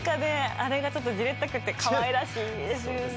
あれがちょっとじれったくってかわいらしいですよね。